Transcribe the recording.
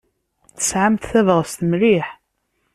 Tesɛamt tabɣest mliḥ.